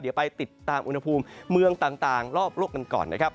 เดี๋ยวไปติดตามอุณหภูมิเมืองต่างรอบโลกกันก่อนนะครับ